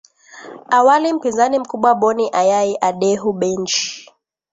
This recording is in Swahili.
awali mpinzani mkubwa bonny ayai adeehu benji